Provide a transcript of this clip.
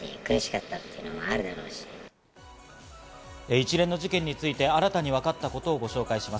一連の事件について新たに分かった事をご紹介します。